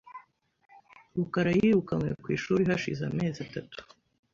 rukara yirukanwe ku ishuri hashize amezi atatu .